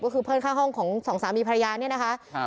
ก็คือเพื่อนข้างห้องของสองสามีภรรยาเนี่ยนะคะ